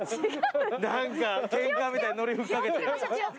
何かケンカみたいなノリ吹っ掛けて。